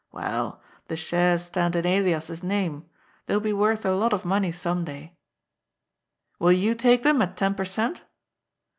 Well, the shares stand in Elias's name. They will be worth a lot of money some day." " Will you take them at ten per cent